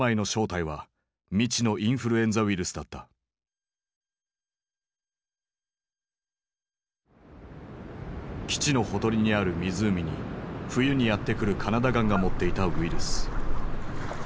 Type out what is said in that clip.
この病の正体は基地のほとりにある湖に冬にやって来るカナダ雁が持っていたウイルス。